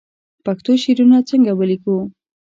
پښتو شعرونه څنګه ولیکو